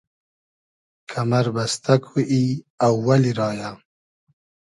کئمئر بئستۂ کو ای اوئلی رایۂ